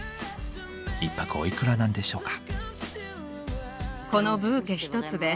１泊おいくらなんでしょうか。